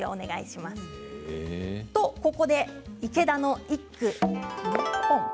ここで池田の一句。